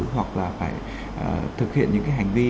hoặc là phải thực hiện những hành vi